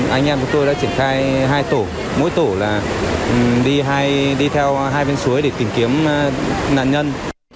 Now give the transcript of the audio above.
anh em của tôi đã triển khai hai tổ mỗi tổ là đi theo hai bên suối để tìm kiếm nạn nhân